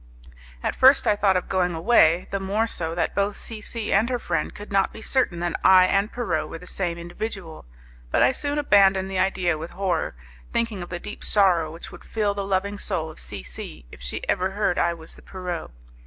At first I thought of going away, the more so that both C C and her friend could not be certain that I and Pierrot were the same individual, but I soon abandoned the idea with horror, thinking of the deep sorrow which would fill the loving soul of C C if she ever heard I was the Pierrot.